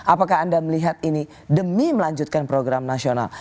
apakah anda melihat ini demi melanjutkan program nasional